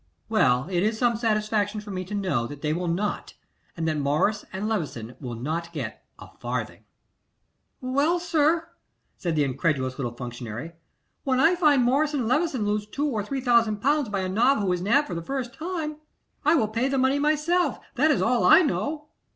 'Well, it is some satisfaction for me to know that they will not, and that Morris and Levison will not get a farthing.' 'Well, sir,' said the incredulous little functionary, 'when I find Morris and Levison lose two or three thousand pounds by a nob who is nabbed for the first time, I will pay the money myself, that is all I know.